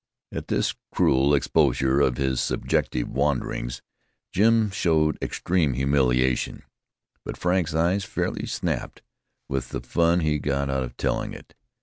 At this cruel exposure of his subjective wanderings, Jim showed extreme humiliation; but Frank's eyes fairly snapped with the fun he got out of telling it.